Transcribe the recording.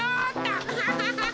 アハハハハ！